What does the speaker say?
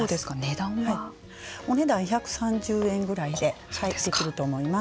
値段は？お値段、１３０円ぐらいでできると思います。